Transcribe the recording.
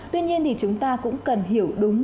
tuy nhiên thì chúng ta cũng cần hiểu đúng